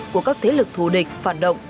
của các thế lực thù địch phản động